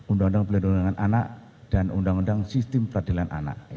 undang undang perlindungan anak dan undang undang sistem peradilan anak